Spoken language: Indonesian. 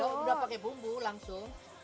sudah pakai bumbu langsung